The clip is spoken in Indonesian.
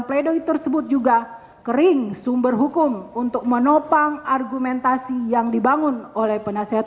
pledoi tersebut juga kering sumber hukum untuk menopang argumentasi yang dibangun oleh penasehat